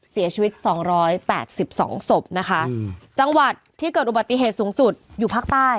เสียชีวิตสองร้อยแปดสิบสองศพนะคะจังหวัดที่เกิดอุบัติเหตุสูงสุดอยู่ภาคใต้